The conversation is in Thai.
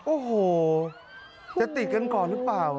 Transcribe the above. โอ้โหจะติดกันก่อนหรือเปล่า